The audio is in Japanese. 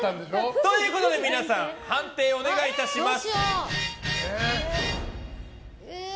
ということで皆さん判定をお願いします。